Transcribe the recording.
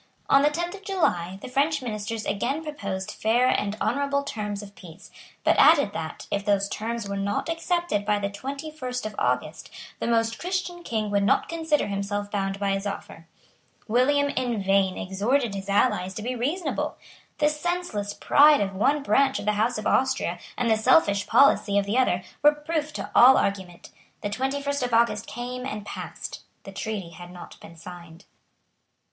On the tenth of July the French ministers again proposed fair and honourable terms of peace, but added that, if those terms were not accepted by the twenty first of August, the Most Christian King would not consider himself bound by his offer. William in vain exhorted his allies to be reasonable. The senseless pride of one branch of the House of Austria and the selfish policy of the other were proof to all argument. The twenty first of August came and passed; the treaty had not been signed.